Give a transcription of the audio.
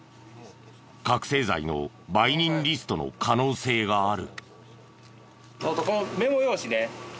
覚醒剤の売人リストの可能性がある。